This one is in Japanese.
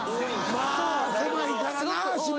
まぁ狭いからな島は。